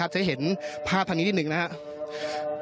คุณผู้ชมจะเห็นภาพทางนี้นิดนึงนะครับ